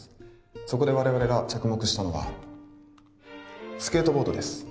そこで我々が着目したのがスケートボードです